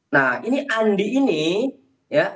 nah ini andi ini ya